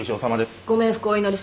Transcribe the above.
ご冥福をお祈りします。